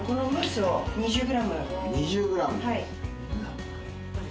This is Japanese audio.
２０ｇ。